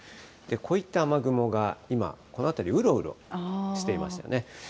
こういった雨雲が今、この辺り、うろうろしていましたよね。